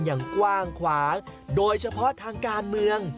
อย่างกว้างขวางโดยเฉพาะทางการเมือง